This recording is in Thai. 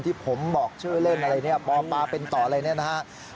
ที่ผมบอกชื่อเล่นอะไรปปเป็นตอะไรนะครับ